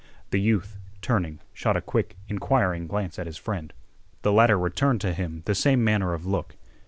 The youth, turning, shot a quick, inquiring glance at his friend. The latter returned to him the same manner of look.